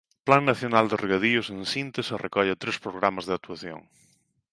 O Plan Nacional de Regadíos, en síntese, recolle tres programas de actuación.